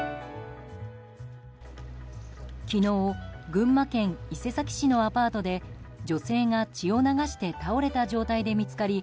昨日群馬県伊勢崎市のアパートで女性が血を流して倒れた状態で見つかり